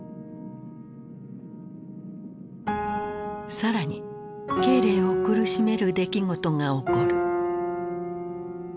更に慶齢を苦しめる出来事が起こる。